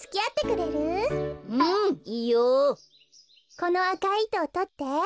このあかいいとをとって。